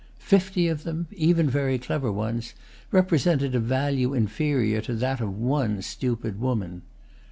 Fifty of them—even very clever ones—represented a value inferior to that of one stupid woman.